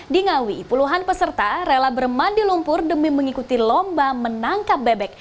di ngawi puluhan peserta rela bermandi lumpur demi mengikuti lomba menangkap bebek